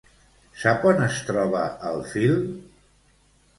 Sap on es troba el fil?